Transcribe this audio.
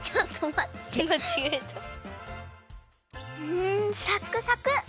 んサックサク！